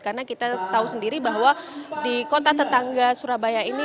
karena kita tahu sendiri bahwa di kota tetangga surabaya ini